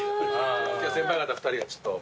先輩方２人がちょっと。